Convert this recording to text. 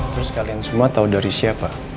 terus kalian semua tahu dari siapa